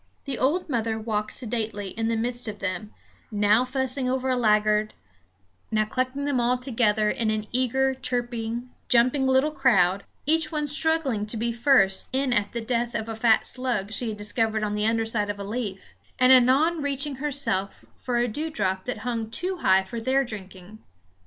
The old mother walked sedately in the midst of them, now fussing over a laggard, now clucking them all together in an eager, chirping, jumping little crowd, each one struggling to be first in at the death of a fat slug she had discovered on the underside of a leaf; and anon reaching herself for a dewdrop that hung too high for their drinking.